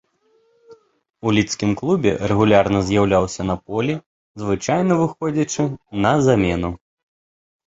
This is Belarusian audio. У лідскім клубе рэгулярна з'яўляўся на полі, звычайна выходзячы на замену.